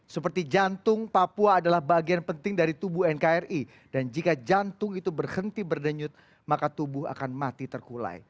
seperti jantung papua adalah bagian penting dari tubuh nkri dan jika jantung itu berhenti berdenyut maka tubuh akan mati terkulai